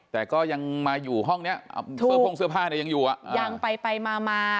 แต่ก็ยังมาอยู่ห้องเนี้ยเสื้อโพ่งเสื้อผ้าเนี่ยยังอยู่อ่ะยังไปไปมามา